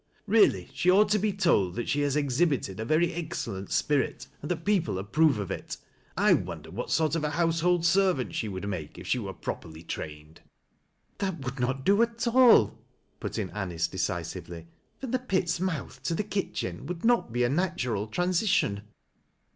Ileally, she ought to be told that she has exhibited a very excellent spirit, and that people approve of it. I wonder what sort of a household servant she would make if sho were properly trained ?"" That would not do at all," put in Anice decisively. " From the pit's mouth to the kitchen would not be a natural transition."